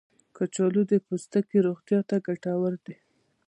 کچالو د پوستکي روغتیا ته ګټور دی.